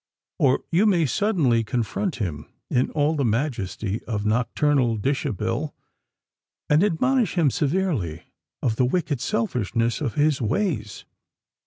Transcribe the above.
Or you may suddenly confront him in all the majesty of nocturnal dishabille, and admonish him severely of the wicked selfishness of his ways.